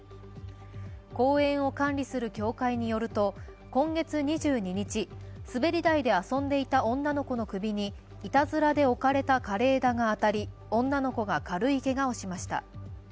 公園を管理する協会によると、今月２２日、滑り台で遊んでいた女の子の首にいたずらで置かれた枯れ枝が当たり、女の子が軽いけがをしました。